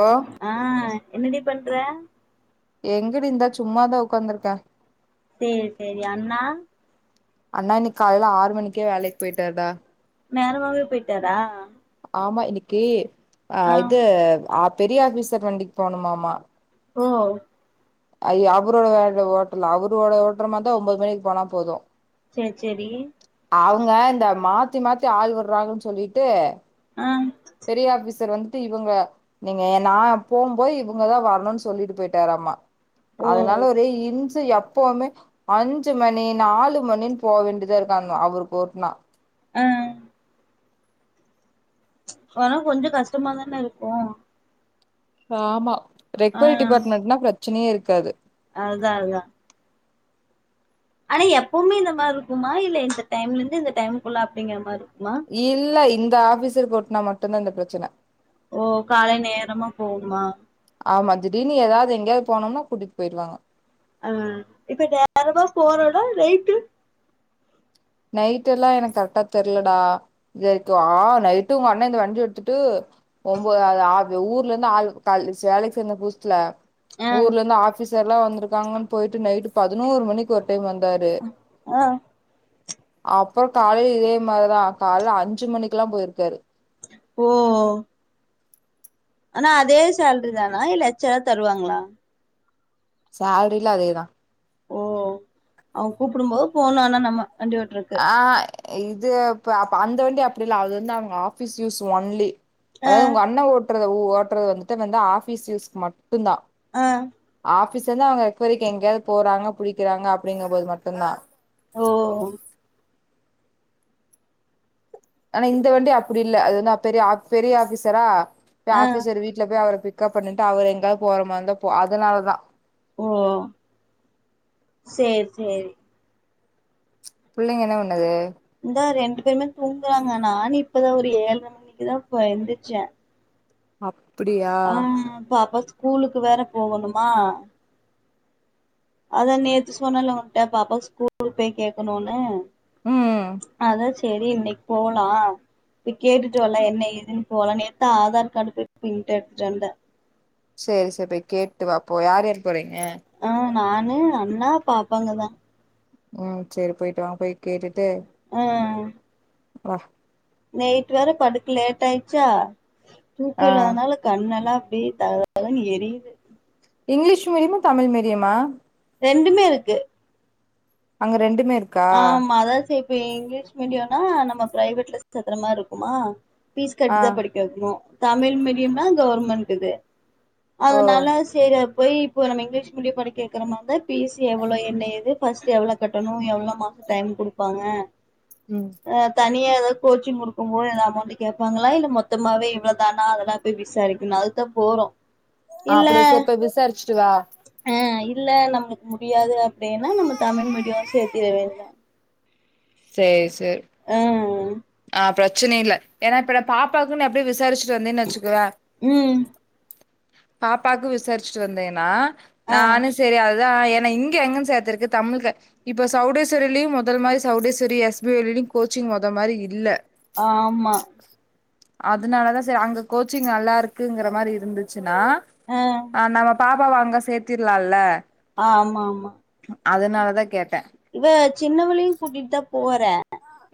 ஓ ஆ என்னடி பண்ற எங்கடி இருந்த சும்மாதா உக்காந்த்ருக்கே சேரி சேரி அண்ணா அண்ணா இன்னக் காலைல ஆறு மணிக்கே வேலக்கிப் போயிட்டார்டா நேரமாவே போயிட்டாரா ஆமா இன்னக்கி ஆ இது ஆப் பெரிய ஆஃபீசர் வண்டிக் போணுமாமா ஓ ஐயோ அவரோட வேணு ஓட்டலா அவரோட ஓட்றமாருந்தா ஒம்போது மணிக்கி போனா போது சேரி சேரி அவுங்க இந்த மாத்தி மாத்தி ஆள் விர்றாங்கன்னு சொல்லிட்டு ஆ பெரிய ஆஃபீசர் வந்துட்டு இவுங்க நீங்க நா போம் போது இவுங்கதா வர்ணுனு சொல்லிட்டு போய்ட்டாராமா ஓ அதனால ஒரே இன் ச எப்பவுமே அஞ்சு மணி நாலு மணின் போ வேண்டியதா இருக்காங்க அவருக்கு ஒருனா ஆ ஆனா கொஞ்ஜொ கஸ்டமாதான இருக்கு ஆமா ரெக்வொட் டிபார்ட்மெண்ட்னா ப்ரச் பிரச்சனையே இருக்காது. அதுதா அதுதா. ஆனா எப்பவுமே இந்த மாரி இருக்குமா இல்ல இந்த டைம்லந்து இந்த டைமுக்குள்ள அப்படிங்கிற மாரி. இருக்குமா இல்ல இந். இந்த ஆபீசர்கு ஒட்டுனா மட்டுந்தா இந்த பிரச்சன. ஓ காலை நேரமா போகுமா. ஆமா திடீனு எதாவது எங்கேயாவது போனூம்னா கூட்டிட்டு போயிடுவாங்க. ஆஹ இப்ப நேரமா போறோம்டா ரேட்டு். நைட்டு எல்லா எனக்கு கரெக்டா தெரியலடா ஆ நைட்டு உங்க அண்ண இந்த வண்டி எடுத்துட்டு ஒ ஊர்ல இருந்து ஆள் வேலைக்கு சேர்ந்த புதுசுல ஆ ஊர்ல இருந்து ஆஃபிஸ். ல்லா வந்திருக்காங்கனு போயிட்டு நைட்டு. பதுனோரு மணிக்கு ஒரு டைம் வந்தாரு. ஆ அப்புறம் காலைல இதே மாதிரிதான் கால்ல அஞ்சு மணிக்கு எல்லாம் போயிருக்காரு. ஓ. ஆனா அதே சேலரி தானா இல்ல எச்சா எதா தருவாங்களா. சேலரியெல்லா அதேதா ஓ அவன் கூப்பிடும்போது போனும் ஆனா நம்ம. வண்டி ஓட்டுருக்கு. ஆ இது இ அப் அந்த வண்டி அப்படி இல்ல அது வந்து அவங்க ஆபீஸ் யூஸ் ஒன்லி. ஆ அதாவது உங்க அண்ண ஓட். ஓட்டுறது வந்துட்டு வந்து ஆபீஸ்யூஸ்கு மட்டும் தான். ஆஹ. ஆபிஸ்ல இருந்து அவுங்க ரெக்வரிக்கு எங்கேயாவது போறாங்க புடிக்குறாங்க அப்படிங்கும்போது மட்டுந்தா ஓ ஆனா இந்த வண்டி அப்படி இல்ல அது வந்து பெரிய பெரிய ஆபீசரா. பெ ஆ ஆபிசர் வீட்ல போய் அவர போய் பிக்கப் பண்ணிட்டு அவர் எங்காவது போற மாதிரிந்தா அதனாலதா ஓ சேரி சேரி. பிள்ளைங்க என்ன பண்ணுது. இந்தா ரெண்டு பேருமே தூங்குறாங்க நானு இப்பதா ஒரு ஏழ்ர மணிக்கு தா எந்திருச்ச அப் ம் பாப்பா ஸ் ஸ்கூலுக்கு வேற போகணுமா. அதா நேத்து சொன்னல்ல உன்ட்ட பாப்பாவுக்கு ஸ்கூல் போய் கேக்கணுனு. ம் அதா சே சேரி இன்னைக்கு போலா போய் கேட்டுட்டு வல்லா என்ன ஏதுன்னு போலா நேத்துதா ஆதார் கார்டு போய் பிரிண்ட் எடுத்துட்டு வந்த. சேரி சேரி போய் கேட்டுவாப்போ யார்யார் போறீங்க. ஏ ஆ நானு அண்ணா பாப்பாங்கதான். ம் சேரி போயிட்டு வாங்க போய் கேட்டுட்டு வா நைட்டு் வேற படுக்க லேட் ஆயிட்ச்சா தூக்கோ ஆ இல்லாதனால கண்ணெல்லா அப்டி தக தகன்னு எரியுது இங்கிலீஷ் மீடியமா தமிழ் மீடியமா ரெண்டுமே இருக்கு அங்க ரெண்டு ஆமா அதா சேஃப் இப்ப இங்கிலீஷ் மீடியம்னா நம்ம பிரைவேட்ல செக்குற மாரி இருக்குமா ஃபீஸ் கட்டி ஆ தா படிக்க வெக்கணூ தமிழ் மீடியம்னா கவர்ன்மென்ட் இது ஓ அதுனால செரி போய் இப்ப நம்ம இங்கிலீஷ் மீடியம் படிக்க வக்கிர மாரி இருந்தா பீஸ் எவ்ளோ என்ன எது ஃபர்ஸ்ட் எவ்ளோ கட்டணூ எவ்ளோ மாசம் டைம் குடுப்பாங்க ம் அ தனியா எதாது கோச்சிங் குடுக்கும் போது எதா அமௌண்ட் கேப்பாங்களா இல்ல மொத்தமாவே இவ்ளோதானா அதெல்லா போய் விசாரிக்கணூஅதுக்குதா போறோ இல்ல அப்டியா சரி போய் விசாரிச்சிட்டு வா ஆ இல்ல நம்மளுக்கு முடியாது அப்டின்னா நம்ம தமிழ் மீடியம் சேர்த் இதுவே தா செர்ஸ் த்து பிரெச்சன இல்ல ஏனா இப்ப பாப்பாக்கு நா அப்டியே விசாரி விட்டுட்டு வந்தேனா வெச்சுக்குவே ம் பாப்பாக்கு விசாரிச்சுட்டு வந்தேன்னா ஆ நானூ சேரி அதுதா நா இங்க அங்கனு சேத்தருக்கு தமிழ் க இப்ப சவ்டேஸ்வரிலியு மொதல் மாரி சவுடேஸ்வரி எஸ் பி ஓலயு கோச்சிங் மொத மாரி இல்ல ஆமா அதனாலதா சரி அங்க கோச்சிங் நல்லா இருக்குங்குற மாரி இருந்துச்சு ஆ க்குதுன்னா நம்ம பா அப்பாவ அங்க சேத்திர்லால்ல ஆமாமா அதனாலதா கேட்ட இவ சின்னவலையு கூட்டிட்டுதா போற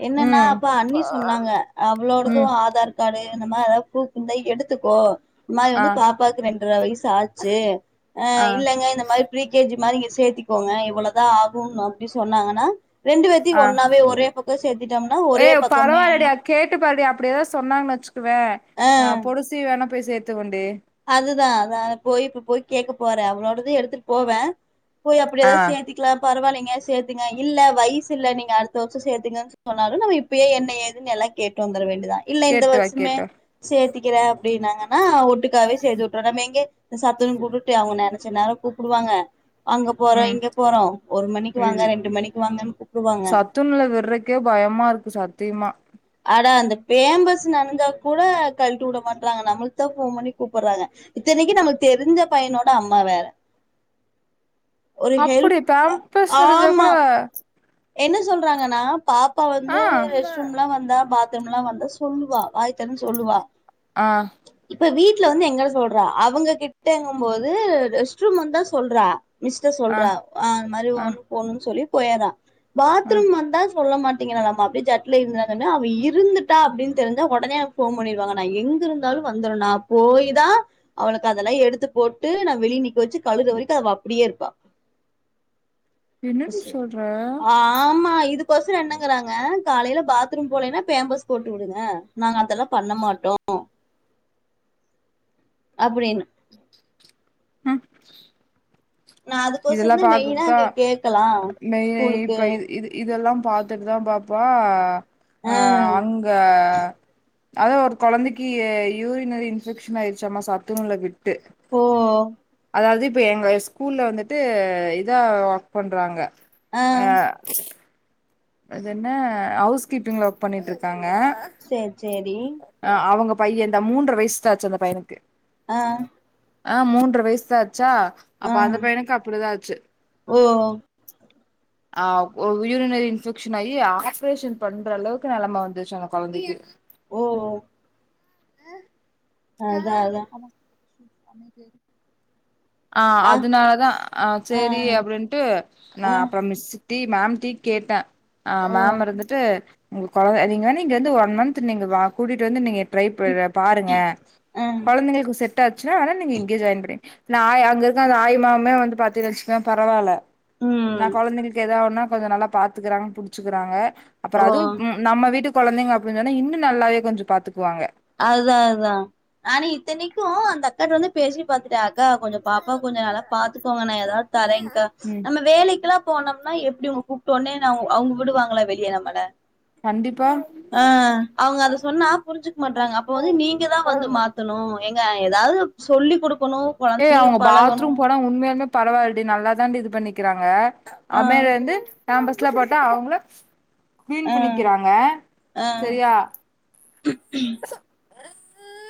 என்னன்னா ம் அப்ப அண்ணி சொன்னாங்க அவளோடது ம் ஆதார் க்காடு இந்த மாரி எதாவ [unintelligible] எடுத்துக்கோ இன்மாரி ஆ வந்து பாப்பாக்கு ரெண்டர வயசு ஆச்சு அ ஆ இல்லங்க இந்த மாரி ப்ரீ கே ஜி மாரிங்க இங்க சேத்திக்கோங்க இவ்ளதா ஆகுன்னோ ப்டி சொன்னாங்கன்னா ரெண்டு வேத்தியு ஆ ஒன்னாவே ஒரே பக் ஏ பரவால்லடி அ கேட்டு பாருடி அப்டியெதா சொன்னாங்கன் வெச்சுக்குவே அ ஆ பொடிசி வேணப் பே சேத்து வண்டி அதுதா அதா போய் இப்ப போய் கேக்கப் போறே அவளோடது எடுத்துட் போவே போய் அப்டி ஆ எதாச் சேத்திக்லா பரவாலைங் ஏ சேத்துங்க இல்ல வயசு இல்ல நீங்க அடுத்த வருஷோ சேத்துங்கன் சொன்னாலு நம்ம இப்பயே என்ன ஏதுன் எல்லா கேட்டு வந்துர வேண் தா இல்ல இந்த கேட்டு வா வருஷமே கேட்டு வா சேத்திக் க்கிற அப்டின்னாங்கன்னா ஒட்டுக் க்காவே சேத்து உட்ற நம்ம எங்கியாச் சாத்துன்னு கூப்ட்டுட்டு அவங்க நெனைச்ச நேரோ கூப்டுவாங்க அங்க போறோ ம் இங்க போறோ ஒரு மணிக்கு வாங்க ம் ரெண்டு மணிக்கு வாங்கன் கூப்டுவாங்க சத்துணவுல விட்றக்கே பயமா இருக்கு சத்தியமா அடா அந்தப் பேம்பஸ் நனைஞ்சா கூட கழிட்டுட மாட்றாங்க நம்மளுக்கு தா போன் பண்ணி கூப்புறாங்க இத்தனைக்கு நமக் தெரிஞ்ச பையனோட அம்மா வேற ஒரு ஹெல்ப் அப்பிடி பேம்பர்ஸ் நெறஞ்சா ஆமா கூடவா என்ன சொல்றாங்கண்ணா பாப் ப்பா வந்து ஆ ரெஸ்ட் ரூம்லா வந்தா பாத் த்திரம்ல்லா வந்தா சொல்லுவா வாய தெறந்து சொல்லுவா ஆ ட்ல வந்து எங்கள சொல்றா அவுங்க கிட்டங்கும் போது ரெஸ்ட் ரூம் வந்தா சொல்றா மிஸ்ட சொல்றா ஆ அந்த மாரி ஆ ஒண்ணுக்கு போணுன் சொல்லி போயரா ஆ பாத்ரூம் வந்தா சொல்ல மாட்டிங்கிறாலாமா அப்டே ஜட்ல இருந்தாங்கன்னு அவ இருந்துட்டா அப்டின் தெரிஞ்சா ஒடனே எனக் போன் பண்ணிருவாங்க நா எங்க இருந்தாலு வந்துருன் நா போய் தா அவளுக்கு அதெல்லா எடுத்து போட்டு நா வெளில் நிக்க வெச்சு கழுகுற வரைக்கு அவ அப்டியே இருப்பா என்னடி சொல்ற ஆ ஆமா இதுக் ஒருசிலர் என்னங்கறாங்க காலையில பாத்ரூம் போலைன்னா ஃபேம்பர்ஸ் போட்டுவுடுங்க நாங்க இதல்லா பண்ணமாட்டோ அப்டின்னு ஹும் இதெல்லா அதுக்கொசரம் தான் மெயினா பார்கத்தா அங்க கேக்கலா மெய் நெய் ஸ்கூலுக்கு இப்ப இது இது இதெல்லாம் பாத்துட்டுதா பாப்பா அ ஆ அங்க அதா ஒரு கொழந்தைக்கி யூரினரி இன்பெக்ஷன் ஆயிடுச்சம்மா சத்துணவுல விட்டு ஓ அதாவது இப்போ எங்க ஸ்கூல்ல வந்துட்டு இதா ஒர்க் பண்றாங்க ஆ யா அது என்ன ஹவுஸ் கீப்பிங்ல ஒர்க் பண்ணிட்டுருக்காங்க சேர் செரி பையன்ந்தா மூன்றர வயசுதாச்சு அந்த பையனுக்கு ஆ ஆ மூன்ற வயசுதா அது ச்சா ஆ அப்ப அந்த பையனுக்கு அப்டிதா ஆச்சு ஓ ஆ யூரினரி இன்பெக்ஷன் ஆயி ஆப்ரேஷன் பண்ற அளவுக்கு நெலமெ வந்துருச்சு அங்க கொழந்தைக்கு ஓஹ் அதா சமைக்கு ஆஹ் ஆ அதுனாலதா அஹ் ஆ சேரி அப்டின்ட்டு ஆ நான் அப்புற மிஸ்க் டீ மேம்ட்டீ கேட்டேன் ஆஹ் ஓ மேம் இருந்துட்டு உங்க குழந்தங்க இங்க வந்து ஒன் மன்த் நீங்க கூட்டிட்டு வந்து நீங்க டரை பாருங்க ஆ குழந்தைங்களுக்கு செட் ஆச்சுன்னா நீங்க இங்கேயே ஜாயின் பண்ண நாய் அங்க இருக்க அந்த ஆய் மாவுமே வந்து பதெனு வச்சுகோவே பரவாயில்ல நா ம் குழந்தைகளுக்கு ஏத ஒன்னா கொஞ்சம் நல்லா பார்த்துக்கறாங்க புடிச்சக்கிறாங்க அப்புறம் ஓ அதுவும் ம் நம்ம வீட்டுக்கு குழந்தைங்க அப்படின் சொன்னா இன்னு நல்லாவே கொஞ்சம் பாத்துக்குவாங்க அதா அதா நானும் இத்தனைக்கும் அந்த அக்கிட்ட வந்து பேசி பாத்துட்டா கா கொஞ்சம் பாப்பா கொஞ்சம் நல்லா பாத்துக்கோங்கன்னா ஏதாவது தரே்கா ம் நம்ம வேலைக்குெல்லா போனோம்னா எப்படி உங்க கூப்பிட்டோனே அவங்க விடுவாங்களா வெளியே நம்மல கண்டிப்பா ஆஹ் அவங்க அத சொன்னா புரிஞ்சு டாங்க அப்ப வந்து நீங்க தா வந்து மாத்தணோ எங்க ஏதாவது சொல்லிக கொடுக்க ஏய் அவங்க பாத்ரூம் போனா உண்மையாலுமே பரவாயில்டி நல்லாாதான் இது பண்ணிக்கிறாங்க ஆ அமேர் வந்து நான் பஸ்ல போட்டா அவங்கள கிளீன் ஆ பண்ணிக்கிறாங்க ஆ சரியா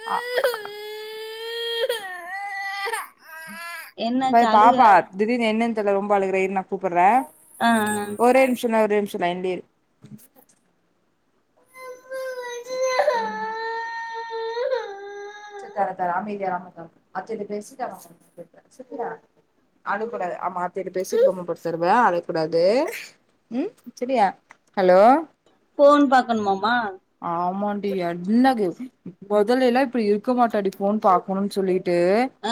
ஹ [inaudible] ப என்னாச்சு பாப்பா அழுகுறாளா திிடீனு என்ன சல ரொம்ப அழுகறே இரு நான் கூப்பிடறேன் ஆ ஆ ஒரே நிமிஷம் ஒருரே நிமிஷம் [unintelligible] சரி தர தர அமைதியா இரு அத்தட்ட பேசிட்டு அம்மா [unintelligible] அழுவக்கூடாது அம்மா அத்தட்ட பேசிட்டு [unintelligible] தருவேன் அழுவக்கூடாது உம் சரியா ஹலோ போன் பாக்கணுமாமமா ஆமாண்டி அன்னக்கு முதல்ல எல்லாம் இப்படி இருக்க மாட்டாடி போன்னு பாக்கணும்னு சொல்லிட்டு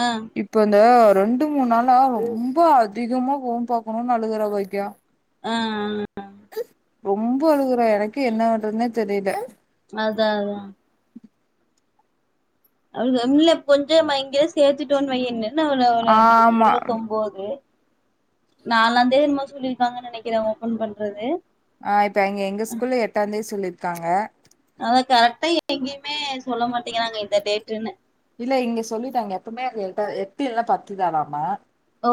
ஆ இப்பந்த ரெண்டு மூணு நாளா ரொம்ப அதிகமா போகம் பா்கக்கணும்னு அழுகுறா வைக்கயா ஆஹ ரொம்ப அழுகுறோம் எனக்கு என்ன பண்றதுன்னே தெரியல அத அதான் அவ இல்ல கொஞ்சம் மயங்கர சேர்த்துட்டோன்னு வைய என்னு என்ண்ணவனவர இன்னைக்கு ஆமா இருவத்தொன்போதுரு நாலாம் தேேதிமா சொல்லிருக்காங்க நினைக்கிறத ஓபன் பண்றது ஆஹ் இப்ப இங்க எங்க ஸ்கூல்ல எட்டாம்ந்தேதி சொல்லி இருக்காங்க அத கரெக்டா எங்கேயுமே சொல்ல மாட்டேங்கிறாங்க இந்த டேட்டுன்னு இல்ல இங்க சொல்லிட்டுாங்க எப்பவுமே எப்படி எல்லாம் பத்துதலாமா ஓ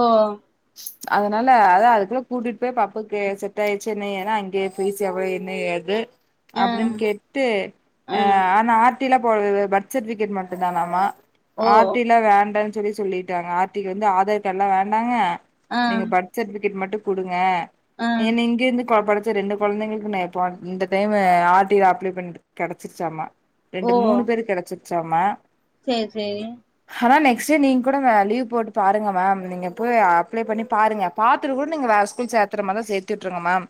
அதனால அதான் அதுக்குள்ள கூட்டிட்டு போய் பாப்புக்கு செட் ஆயிச்சு என்ன ஏன்னா அங்கே ஃபீஸ் எவ்வளவு என்ன ஏது ஆ அப்படின்னு கேட்டு ஆ அஹ் ஆனா ட்டில போது பர்த்சர்டிபிகேட் மட்டும் தானாமா ஓ ஆட்டிலாம் வேண்ட சொல்லி சொல்லிிட்டாங்க ஆர்டிக்கு வந்து ஆதார் கார்ட்லாம் வேண்டாங்க ஆ நீங்க பர்த் சட் பிகேட் மட்டும் குடுங்க ஆ என்னை இங்கிந்து கோபடத் நேத்து ரெண்டு கொழந்தைங்களுக்கு நான் எப்போ இந்த டைம் ஆர் டி அப்ளே பண்ணி கெடைச்சிருச்சாமா ரெண்டு மூணு பேரு கெடைச்சு ச்சமா சேர் சேரி ஆனா நெக்ஸ்டு நீங்க கூட வேல லீவ் போட்டு பாருங்க மேம் நீங்க போய் அ ப்ளை பண்ண பாருங்க பாத்துட்டு கூட நீங்க வேற ஸ்கூல் சேத்துற மாரி இந்தா சேர்த்து வுட்டுருங்க மேம்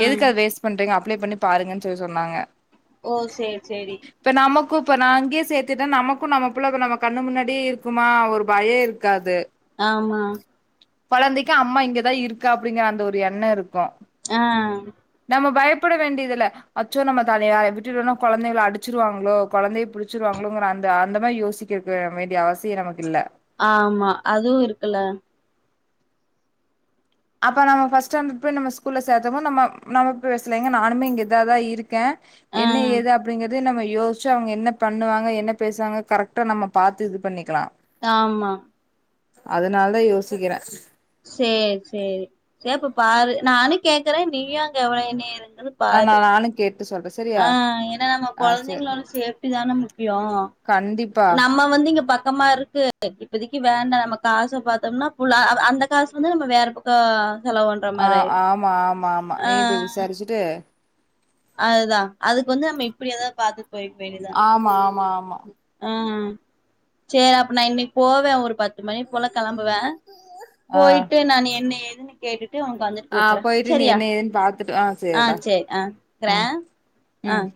ஆ எதுக்கு அது வேஸ்ட் பண்றீங்க அப் அப்ளை பண்ணி பாருங்கன்னு சொல்லி சொன்னாங்க ஓ சரி சரி கு இப்ப நான் அங்கயே சேர்த்திட்டே நமக்கும் நம்ம புள்ள நம்ம கண்ணு முன்னாடியே இருக்குமா ஒரு பயம் இருக்காது ஆம்மா கொழந்தைக்கு அம்மா இங்கதான் இருக்கா அப்டிங்கிற அந்த ஒரு எண்ணம் இருக்கும் ஆஹ் நம்ம பயப்பட வேண்டியதில்ல அச்சோ நம்ம தனியா விட்டுடுவேனா கொழந்தைகள அடுச்சிருவாங்களோ கொழந்தைய புடுச்சிருவாங்களோ அந்த அந்த மாரி யோசிக்கர்க்கு வேண்டிய அவசியம் நமக்கு இல்ல ஆம்மா அதுவும் இருக்குல்ல அப்ப நம்ம ஃபஸ்ட்ஸாண்டர்ட் போய் நம்ம ஸ்கூல்ல சேர்த்தனமா நம நம பேசலலைங்க நானும் இங்க இதாதான் இருக்கேன் ஆ என்ன ஏது அப்டிங்கறது அது நம்ம யோசிச்சு அவங்க என்ன பண்ணுவாங்க என்ன பேசுவாங்க கரெக்டாக நம்ம பாத்து இது பண்ணிக்கலாம் ஆம்மா அதனால தான் யோசிக்கிறேன் சரி சரி சரி அப்ப பாரு நானும் கேக்குறேன் நீயும் அங்க எவ்வளவு இன இரு என்னனு ஆ நா பாரு நானு கேட்டு சொல்றே சரியா ஆஹ் ஏன்னா நம்ம ஆ சரி கொழந்தைங்களோட சேஃப்டி தான முக்கியம் கண்டிப்பா நம்ம வந்து இங் பக்கமா இருக்கு இப்பதைக்கு வேண்டாம் நம்ம காசை பாத்தோம்னா புள்ள அந்த காசு வந்து நம்ம வேற பக்கம் ஆஹ் ஆமா ஆமா ஆமா நீ போய் விசாரிச்சுட்டு அதுதான் அதுக்கு வந்து நம்ம இப்படி ஏதாவது பாத்து போய்க்க ஆம்மா ஆம்மா ஆம் ஆம ம் சரி அப்ப நான் இன்னைக்கு போவேன் ஒரு பத்து மணி போல கிளம்ப வே ஆ போய்ட்டு நான் என்ன ஏது ன்ன கேட்டுட் டு வந்துட்டு ஆ கூப்பறேன் போயிட்டு நீ சரியா என்ன ஏதுன்னு பாத்துட்டு ஆ ஆஹ் சரிடா சரி ஆ ம் வக்கறேன் ம் ஆஹ்